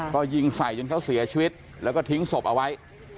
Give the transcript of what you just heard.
ก็ยิงใส่จนเขาเสียชีวิตแล้วก็ทิ้งศพเอาไว้